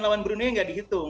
lawan brunei gak dihitung